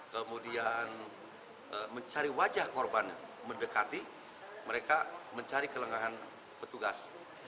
kemudian mencari wajah korban mendekati mereka mencari kelengahan petugas